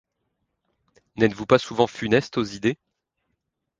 N'êtes-vous pas souvent funestes aux idées ?